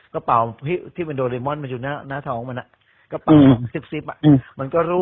เจ๊เกียวอยู่ในเหตุการณ์